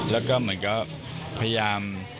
และก็ประยาม